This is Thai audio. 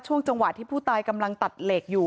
จังหวะที่ผู้ตายกำลังตัดเหล็กอยู่